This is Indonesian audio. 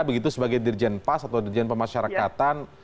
begitu sebagai dirjen pas atau dirjen pemasyarakatan